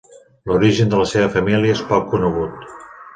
L'origen de la seva família és poc conegut.